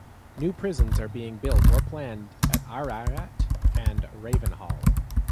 New prisons are being built or planned at Ararat and Ravenhall.